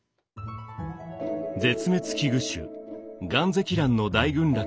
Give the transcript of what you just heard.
絶滅危惧種ガンゼキランの大群落が咲き誇る